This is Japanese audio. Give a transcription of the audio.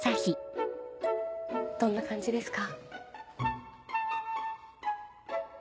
どんな感じですか？